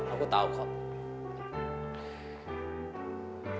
aku tahu kok